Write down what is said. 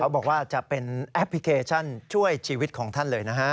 บอกว่าจะเป็นแอปพลิเคชันช่วยชีวิตของท่านเลยนะฮะ